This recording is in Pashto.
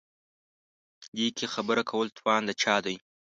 دې کې خبره کول توان د چا دی.